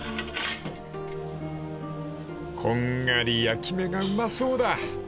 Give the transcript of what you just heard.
［こんがり焼き目がうまそうだ］